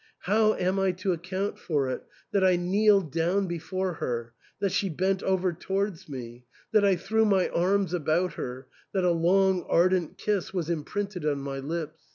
How am I to account for it that I kneeled down before her, that she bent over towards me, that I threw my arms about her, that a long ardent kiss was imprinted on my lips